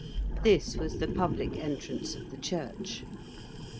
This was the public entrance of the church.